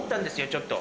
ちょっと。